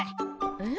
えっ？